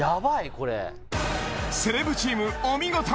これセレブチームお見事！